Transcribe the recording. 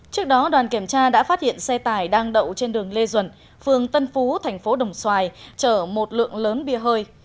trước đó đoàn kiểm tra đã phát hiện xe tải đang đậu trên đường lê duẩn phường tân phú thành phố đồng xoài chở một lượng lớn bia hơi